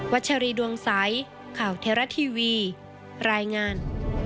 ชัชรีดวงใสข่าวเทราะทีวีรายงาน